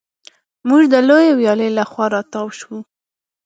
موږ د لویې ویالې له خوا را تاو شوو.